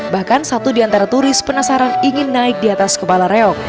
bahkan satu di antara turis penasaran ingin naik di atas kepala reok